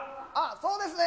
そうですね。